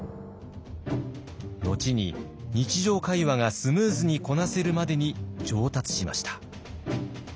後に日常会話がスムーズにこなせるまでに上達しました。